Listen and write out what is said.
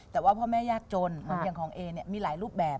แต่ว่าพ่อแม่ยากจนอย่างของเอเนี่ยมีหลายรูปแบบ